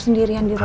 sendirian di rumah